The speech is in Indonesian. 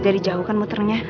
udah dijauhkan muternya